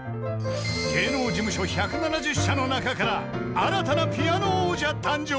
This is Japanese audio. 芸能事務所１７０社の中から新たなピアノ王者誕生。